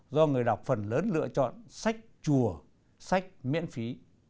do người đọc phần lớn lựa chọn sách chùa sách miễn phí